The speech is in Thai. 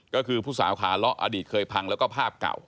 ก็คือผู้สาวขาเลาะอดีตเคยพังแล้วก็ภาพเก่า